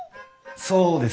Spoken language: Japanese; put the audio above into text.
そうですね。